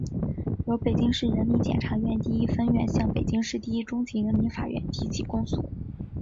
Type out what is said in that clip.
由北京市人民检察院第一分院向北京市第一中级人民法院提起公诉